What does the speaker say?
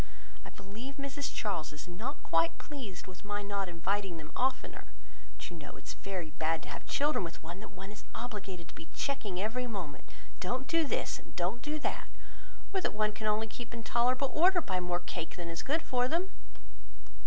I believe Mrs Charles is not quite pleased with my not inviting them oftener; but you know it is very bad to have children with one that one is obligated to be checking every moment; "don't do this," and "don't do that;" or that one can only keep in tolerable order by more cake than is good for them."